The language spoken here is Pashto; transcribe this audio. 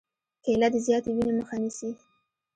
کېله د زیاتې وینې مخه نیسي.